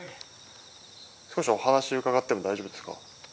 少しお話伺っても大丈夫ですか？